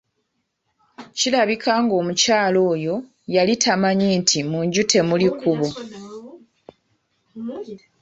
Kirabika ng'omukyala oyo yali tamanyi nti "mu nju temuli kkubo".